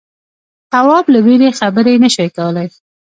تواب له وېرې خبرې نه شوې کولای.